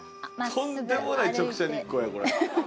とんでもない直射日光やこれ。